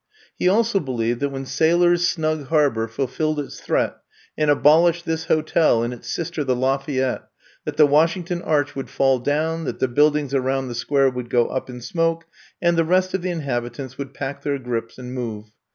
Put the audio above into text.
He also believed that when Sailors* Snug Harbor fulfilled its threat and abolished this ho tel and its sister. The Lafayette, that the Washington Arch would fall down, that the buildings around the Square would go lip in smoke and the rest of the inhabitants would pack their grips and move.